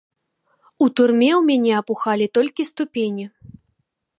У турме ў мяне апухалі толькі ступені.